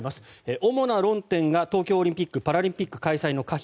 主な論点が東京オリンピック・パラリンピック開催の可否